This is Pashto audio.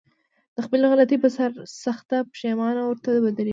د خپلې غلطي په سر سخته پښېماني ورته ودرېږي.